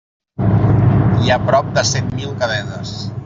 Hi ha prop de cent mil cadenes.